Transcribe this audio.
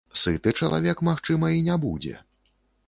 Сыты чалавек, магчыма, і не будзе.